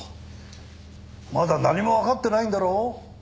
まだ何もわかってないんだろう？